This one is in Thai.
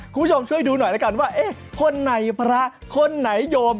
คุณผู้ชมช่วยดูหน่อยแล้วกันว่าเอ๊ะคนไหนพระคนไหนโยม